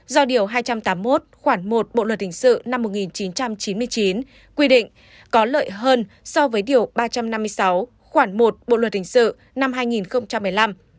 do điều hai trăm tám mươi một khoảng một bộ luật hình sự năm một nghìn chín trăm chín mươi chín quy định có lợi hơn so với điều ba trăm năm mươi sáu khoảng một bộ luật hình sự năm hai nghìn một mươi năm